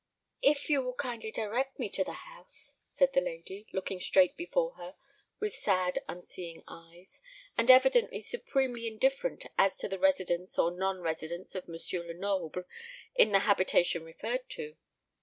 "If you will kindly direct me to the house " said the lady, looking straight before her with sad unseeing eyes, and evidently supremely indifferent as to the residence or non residence of M. Lenoble in the habitation referred to.